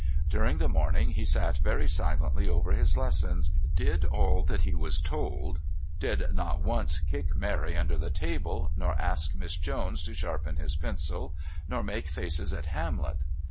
During the morning he sat very silently over his lessons, did all that he was told, did not once kick Mary under the table, nor ask Miss Jones to sharpen his pencil, nor make faces at Hamlet.